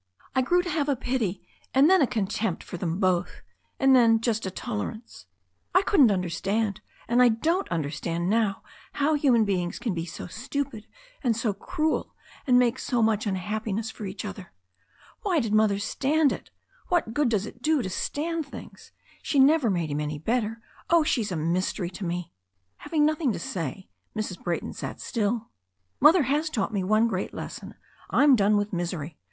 I grew to have a pity and then a contempt for them both, and then just a tolerance. I couldn't under stand, and I don't understand now how human beings can be so stupid, and so cruel, and make so much unhappiness for each other. Why did Mother stand it? What good does it do to stand things? She never made him any bet ter. Oh, she's a mystery to me." Having nothing to say, Mrs. Brayton sat still. "Mother has taught me one great lesson. I'm done with misery.